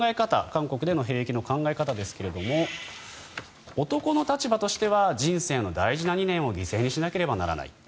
韓国での兵役の考え方ですが男の立場としては人生の大事な２年を犠牲にしなければならない。